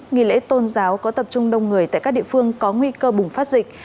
nghỉ lễ tôn giáo có tập trung đông người tại các địa phương có nguy cơ bùng phát dịch